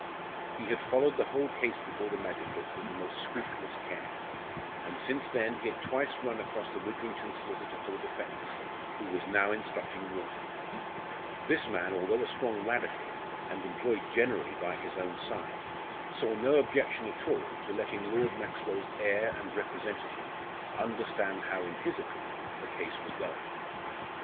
He had followed the whole case before the magistrates with the most scrupulous care. And since then, he had twice run across the Widrington solicitor for the defence, who was now instructing Wharton. This man, although a strong Radical, and employed generally by his own side, saw no objection at all to letting Lord Maxwell's heir and representative understand how in his opinion the case was going.